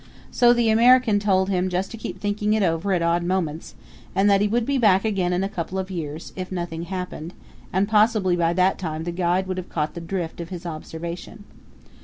So the American told him just to keep thinking it over at odd moments, and that he would be back again in a couple of years, if nothing happened, and possibly by that time the guide would have caught the drift of his observation.